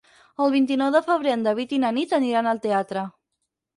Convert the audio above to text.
El vint-i-nou de febrer en David i na Nit aniran al teatre.